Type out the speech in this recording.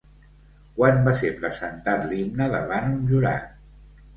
Quan va ser presentat l'himne davant un jurat?